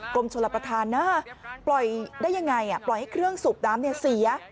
กรมชลประธานนะปล่อยได้ยังไงปล่อยให้เครื่องสูบน้ำเสีย